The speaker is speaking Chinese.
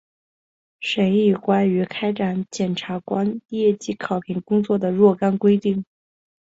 审议关于开展检察官业绩考评工作的若干规定